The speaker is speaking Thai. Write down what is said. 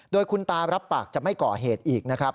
โดยคุณตารับปากจะไม่ก่อเหตุอีกนะครับ